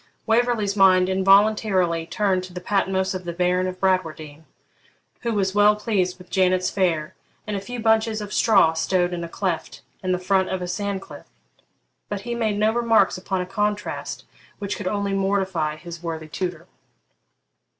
Waverley's mind involuntarily turned to the Patmos of the Baron of Bradwardine, who was well pleased with Janet's fare and a few bunches of straw stowed in a cleft in the front of a sand cliff; but he made no remarks upon a contrast which could only mortify his worthy tutor.